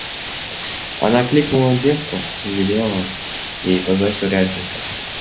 Она кликнула девку и велела ей позвать урядника.